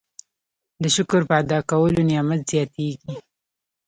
د شکر په ادا کولو نعمت زیاتیږي.